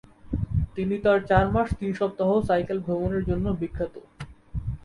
তিনি তার চার মাস তিন সপ্তাহ সাইকেল-ভ্রমণের জন্য বিখ্যাত।